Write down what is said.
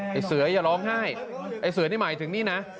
เสืออย่าร้องไห้ไอ้เสือนี่หมายถึงนี่นะ